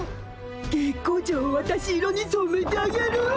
月光町をわたし色にそめてあげるわ！